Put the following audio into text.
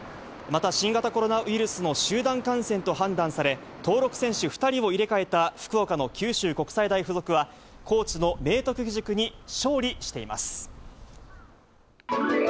また、新型コロナウイルスの集団感染と判断され、登録選手２人を入れ替えた福岡の九州国際大付属は、高知の明徳義塾に勝利しています。